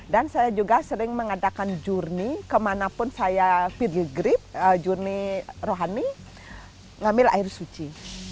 dan saya juga sering mengadakan jurni kemanapun saya pergi grip jurni rohani ngambil air suci